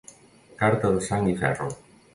Carta de sang i ferro.